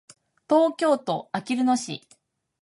東京都あきる野市